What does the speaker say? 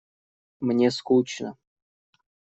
Мне скучно.